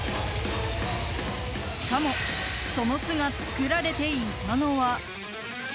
しかもその巣が作られていたのは。